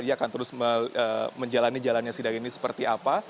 ia akan terus menjalani jalannya sidang ini seperti apa